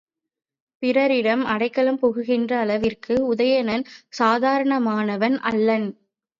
பிறரிடம் அடைக்கலம் புகுகின்ற அளவிற்கு உதயணன் சாதாரணமானவன் அல்லன்.